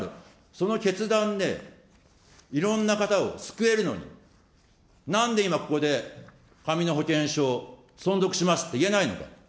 その決断で、いろんな方を救えるのに、なんで今ここで紙の保険証を存続しますって言えないのか。